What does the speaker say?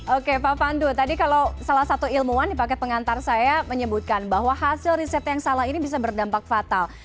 oke pak pandu tadi kalau salah satu ilmuwan di paket pengantar saya menyebutkan bahwa hasil riset yang salah ini bisa berdampak fatal